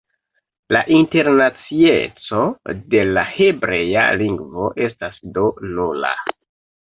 La internacieco de la hebrea lingvo estas do nula.